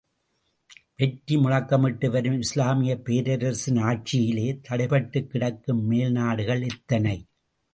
வெற்றி முழக்கமிட்டு வரும் இஸ்லாமியப் பேரரசின் ஆட்சியிலே தடைபட்டுக்கிடக்கும் மேல்நாடுகள் எத்தனை?